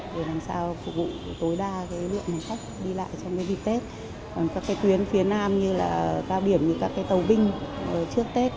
và sau tết thì là ngày hai mươi bảy hai mươi tám hai mươi chín